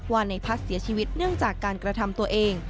ในพัฒน์เสียชีวิตเนื่องจากการกระทำตัวเอง